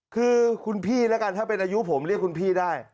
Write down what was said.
คือคุณพี่แล้วกันถ้าเป็นอายุผมเรียกคุณพี่ได้